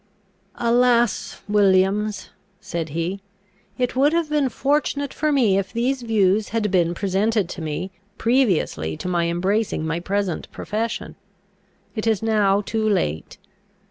"Alas! Williams," said he, "it would have been fortunate for me if these views had been presented to me, previously to my embracing my present profession. It is now too late.